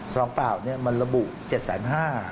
ซองเปล่ามันระบุ๗๕๐๐๐๐บาท